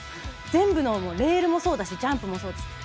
全部レールもそうだしジャンプもそうです。